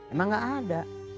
emang gak ada